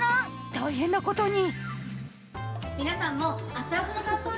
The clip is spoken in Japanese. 大変なことに！